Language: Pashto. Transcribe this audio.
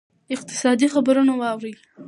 اقتصادي خبرونه واورئ.